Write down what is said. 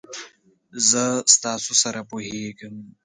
زه ستاسو سره پوهیږم.